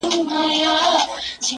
عدالت بايد رامنځته سي ژر-